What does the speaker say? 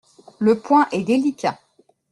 Le point est délicat.